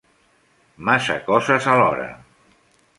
Massa coses alhora.